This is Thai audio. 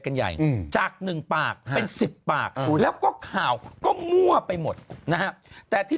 กันใหญ่จากหนึ่งปากเป็นสิบปากแล้วก็ข่าวก็มั่วไปหมดนะฮะแต่ที่